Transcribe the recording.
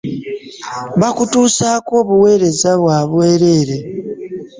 Bakutusako obuweereza bwa bwerere.